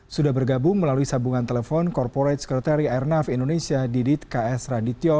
sudah bergabung melalui sambungan telepon korporate secretary airnav indonesia didit ks radityo